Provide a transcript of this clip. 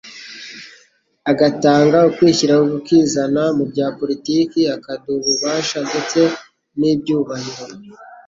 agatanga ukwishyira ukizana mu bya politiki, akaduha ububasha ndetse n'ibyubahiro?"